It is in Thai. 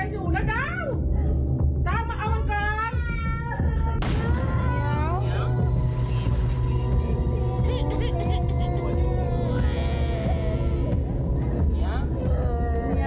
แมวตายแล้วมันยังหายใจอยู่นะ